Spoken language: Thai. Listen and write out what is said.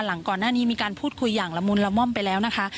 หลังก่อนหน้านี้มีการพูดคุยอย่างละมุนละม่อมไปแล้วนะคะ